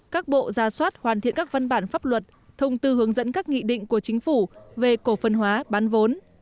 các bộ ra soát hoàn thiện các văn bản pháp luật thông tư hướng dẫn các nghị định của chính phủ về cổ phần hóa bán vốn